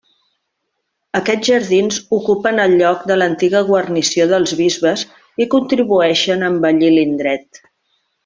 Aquests jardins ocupen el lloc de l'antiga guarnició dels bisbes i contribueixen a embellir l'indret.